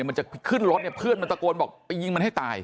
มันจะขึ้นรถเนี่ยเพื่อนมันตะโกนบอกไปยิงมันให้ตาย